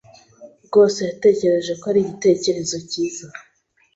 rwose yatekereje ko ari igitekerezo cyiza.